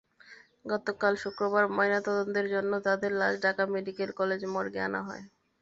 গতকাল শুক্রবার ময়নাতদন্তের জন্য তাঁদের লাশ ঢাকা মেডিকেল কলেজ মর্গে আনা হয়।